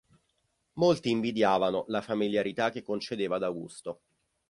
Molti invidiavano la famigliarità che concedeva ad Augusto.